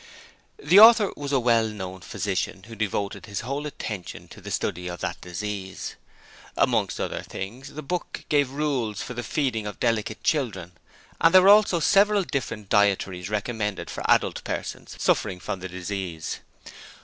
The author was a well known physician who devoted his whole attention to the study of that disease. Amongst other things, the book gave rules for the feeding of delicate children, and there were also several different dietaries recommended for adult persons suffering from the disease.